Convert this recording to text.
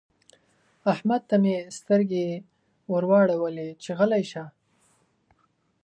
احمد ته مې سترګې ور واړولې چې غلی شه.